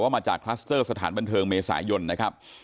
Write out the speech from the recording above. มาจากคลัสเตอร์สถานบันเทิงเมษายนนะครับ